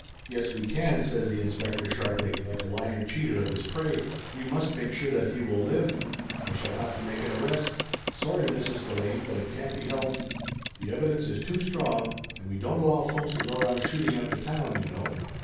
"Yes, we can," says the inspector sharply, like a lion cheated of his prey. "We must make sure that he will live. I shall have to make an arrest. Sorry, Mrs. Delane, but it can't be helped. The evidence is too strong, and we don't allow folks to go around shooting up the town, you know!"